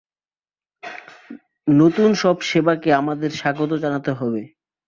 নতুন সব সেবাকে আমাদের স্বাগত জানাতে হবে।